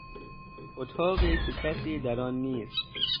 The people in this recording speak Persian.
اتاقی که کسی در آن نیست